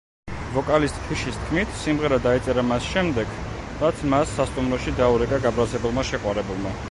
ვოკალისტ ფიშის თქმით, სიმღერა დაიწერა მას შემდეგ, რაც მას სასტუმროში დაურეკა გაბრაზებულმა შეყვარებულმა.